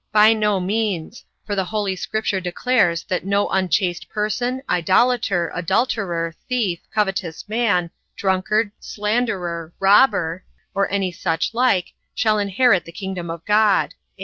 A. By no means; for the holy scripture declares that no unchaste person, idolater, adulterer, thief, covetous man, drunkard, slanderer, robber, or any such like, shall inherit the kingdom of God.